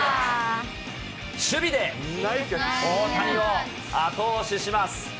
守備で大谷を後押しします。